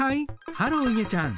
ハローいげちゃん。